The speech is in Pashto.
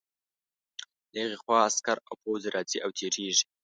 له هغې خوا عسکر او پوځ راځي او تېرېږي.